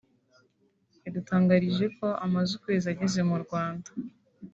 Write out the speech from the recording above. yadutangarije ko amaze ukwezi ageze mu Rwanda